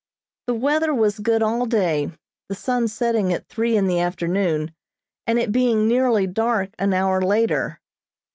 The weather was good all day, the sun setting at three in the afternoon, and it being nearly dark an hour later.